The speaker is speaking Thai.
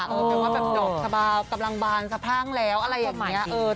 แปลว่าแบบดอกสบายกำลังบานสะพรั่งแล้วอะไรอย่างนี้